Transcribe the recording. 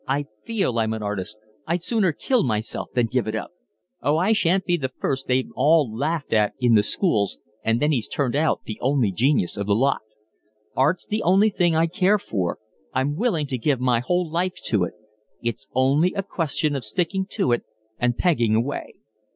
I feel I'm an artist. I'd sooner kill myself than give it up. Oh, I shan't be the first they've all laughed at in the schools and then he's turned out the only genius of the lot. Art's the only thing I care for, I'm willing to give my whole life to it. It's only a question of sticking to it and pegging away."